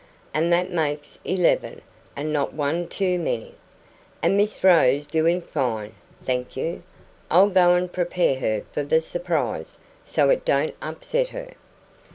"And that makes eleven, and not one too many. And Miss Rose doing fine, thank you. I'll go and prepare her for the surprise, so it don't upset her."